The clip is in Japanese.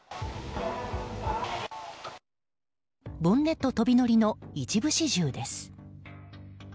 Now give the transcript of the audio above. ボンネット飛び乗りの一部始終です。